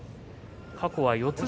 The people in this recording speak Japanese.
過去は四つ